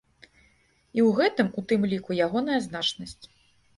І ў гэтым, у тым ліку, ягоная значнасць.